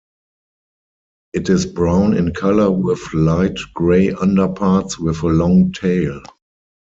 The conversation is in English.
It is brown in colour with light grey underparts with a long tail.